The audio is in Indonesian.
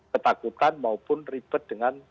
ketakutan maupun ribet dengan